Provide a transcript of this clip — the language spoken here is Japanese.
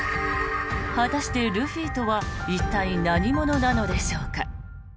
果たして、ルフィとは一体、何者なのでしょうか。